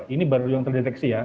ini baru yang terdeteksi ya